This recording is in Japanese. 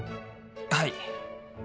はい！